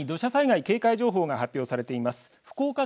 新たに土砂災害警戒情報が発表されています。